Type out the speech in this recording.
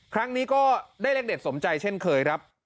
ครั้งนี้ก็ได้เลขเด็ดสมใจเช่นเคยครับ